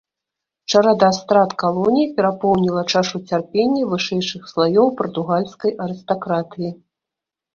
Чарада страт калоній перапоўніла чашу цярпення вышэйшых слаёў партугальскай арыстакратыі.